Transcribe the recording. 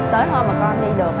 tới hôm mà con đi được